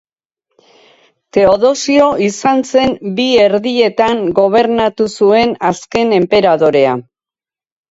Teodosio izan zen bi erdietan gobernatu zuen azken enperadorea.